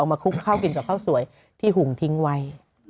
เอามาคุกเข้ากลิ่นกับข้าวสวยที่หุ่งทิ้งไว